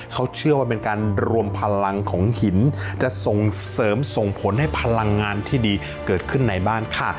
เขาเชื่อว่าเป็นการรวมพลังของหินจะส่งเสริมส่งผลให้พลังงานที่ดีเกิดขึ้นในบ้านค่ะ